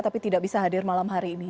tapi tidak bisa hadir malam hari ini